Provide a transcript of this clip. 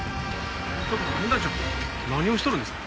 ちょっと分団長何をしとるんですか？